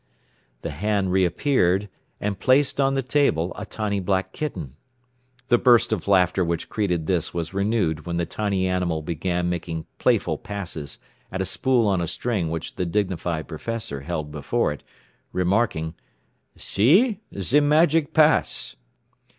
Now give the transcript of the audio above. The hand reappeared, and placed on the table a tiny black kitten. The burst of laughter which greeted this was renewed when the tiny animal began making playful passes at a spool on a string which the dignified professor held before it, remarking, "See? Ze magic pass.